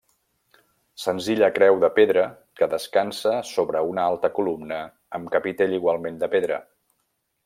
Senzilla creu de pedra que descansa sobre una alta columna amb capitell igualment de pedra.